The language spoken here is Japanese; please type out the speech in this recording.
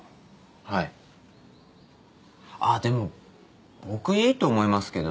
はいあっでも僕いいと思いますけどね